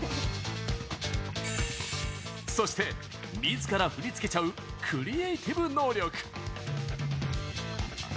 そして自ら振り付けちゃうクリエイティブ能力。